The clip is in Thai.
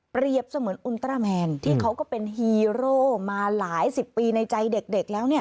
เสมือนอุลตราแมนที่เขาก็เป็นฮีโร่มาหลายสิบปีในใจเด็กแล้วเนี่ย